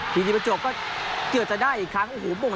ฟีธีปะจวกก็เกือบจะได้อีกครั้ง